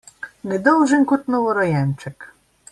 Nedolžen kot novorojenček.